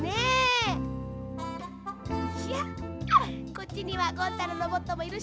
こっちにはゴン太のロボットもいるし。